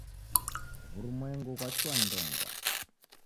Wurumwengu ghwachua ndengwa